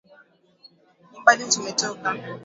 Ni mbali tumetoka